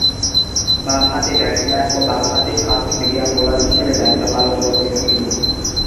বামহাতি ব্যাটসম্যান ও বামহাতি ফাস্ট-মিডিয়াম বোলার হিসেবে দায়িত্ব পালন করছেন তিনি।